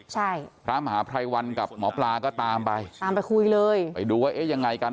ใช่พระมหาภัยวันกับหมอปลาก็ตามไปตามไปคุยเลยไปดูว่าเอ๊ะยังไงกัน